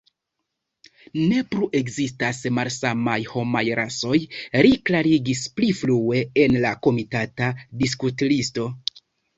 Ne plu ekzistas malsamaj homaj rasoj, li klarigis pli frue en la komitata diskutlisto.